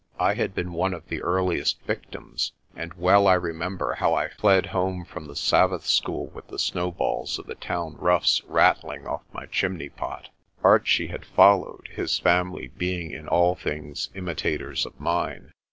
I had been one of the earliest victims, and well I remember how I fled home from the Sabbath school with the snowballs of the town roughs rattling off my chimney pot. Archie had followed, his family being in all things imitators of mine.